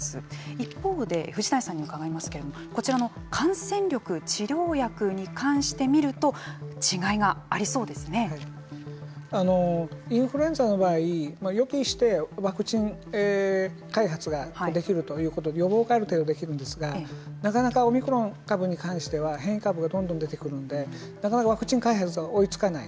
一方で藤谷さんに伺いますけれどもこちらの感染力治療薬に関して見るとインフルエンザの場合予期してワクチン開発ができるということで予防がある程度できるんですがなかなかオミクロン株に関しては変異株がどんどん出てくるのでなかなかワクチン開発が追いつかない。